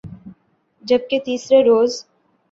جب کہ تیسرے روز